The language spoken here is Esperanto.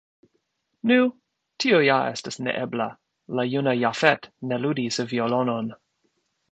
Nu, tio ja estas neebla; la juna Jafet ne ludis violonon.